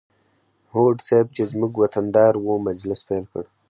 هوډ صیب چې زموږ وطن دار و مجلس پیل کړ.